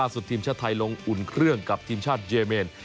สุดทีมชาติไทยลงอุ่นเครื่องกับทีมชาติเยเมน